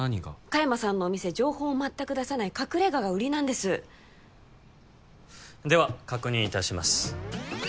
香山さんのお店情報を全く出さない隠れ家が売りなんですでは確認いたします